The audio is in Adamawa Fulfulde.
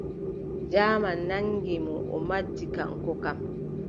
Jaaman naŋgi mo, o majji kaŋko kam.